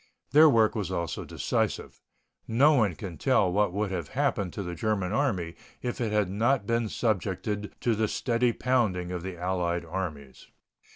Their work was also decisive. No one can tell what would have happened to the German Army if it had not been subjected to the steady pounding of the allied armies.